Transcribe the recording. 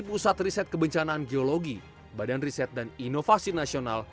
pusat riset kebencanaan geologi badan riset dan inovasi nasional